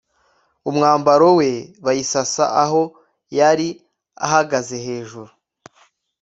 umwambaro we bayisasa aho yari ahagaze hejuru